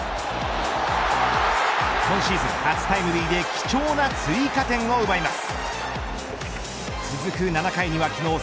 今シーズン、初タイムリーで貴重な追加点を奪います。